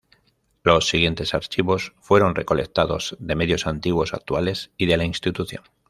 Los siguientes archivos fueron recolectados de medios antiguos, actuales y de la institución.